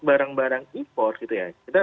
barang barang impor gitu ya kita